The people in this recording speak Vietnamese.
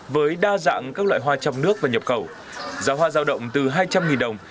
với đa dạng các loại hoa trong nước và nhập khẩu giá hoa giao động từ hai trăm linh đồng